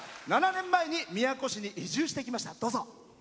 ７年前に宮古市に移住してきました。